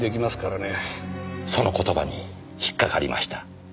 その言葉に引っかかりました。